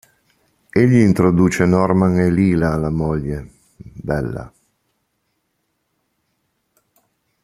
Egli introduce Norman e Leela alla moglie, Bella.